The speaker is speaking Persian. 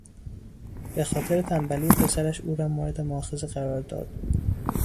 به خاطر تنبلی پسرش، او را مورد مواخذه قرار داد.